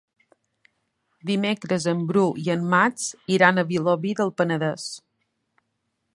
Dimecres en Bru i en Max iran a Vilobí del Penedès.